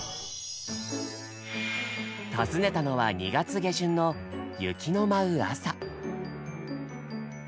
訪ねたのは２月下旬の雪の舞う朝。